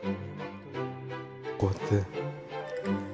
こうやって。